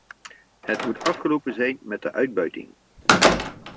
Het moet afgelopen zijn met de uitbuiting.